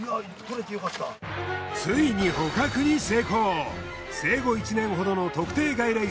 ついに捕獲に成功。